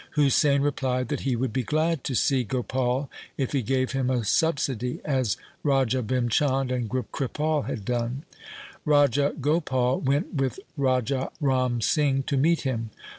Husain replied that he would be glad to see Gopal if he gave him a subsidy as Raja Bhim Chand and Kripal had done. Raja Gopal went with Raja Ram Singh to meet him.